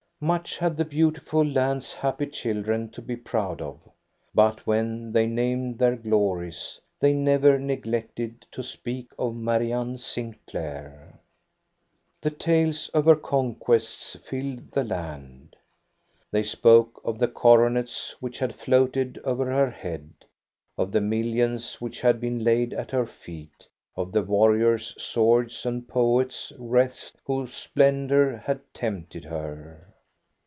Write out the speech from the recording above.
Much had the beautiful land's happy children to be proud of, but when they named their glories they never neglected to speak of Marianne Sinclair. The tales of her conquests filled the land. They spoke of the coronets which had floated over her head, of the millions which had been laid at her feet, of the warriors' swords and poets* wreaths whose splendor had tempted her.